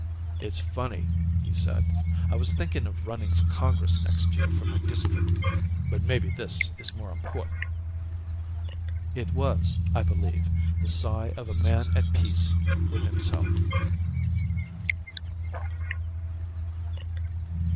"It's funny," he said, "I was thinking of running for Congress next year from my district. But maybe this is more important." It was, I believe, the sigh of a man at peace with himself.